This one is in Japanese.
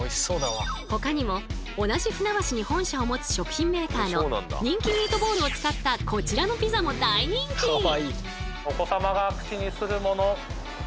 ほかにも同じ船橋に本社を持つ食品メーカーの人気ミートボールを使ったこちらのピザも大人気！